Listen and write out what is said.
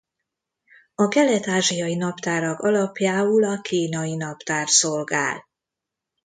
A kelet-ázsiai naptárak alapjául a kínai naptár szolgál.